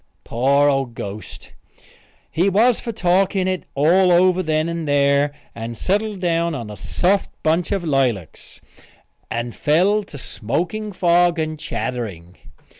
Poor old ghost! He was for talking it all over then and there and settled down on a soft bunch of lilacs, and fell to smoking fog and chattering.